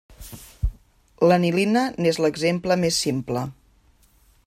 L'anilina n'és l'exemple més simple.